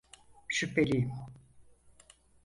Şüpheliyim.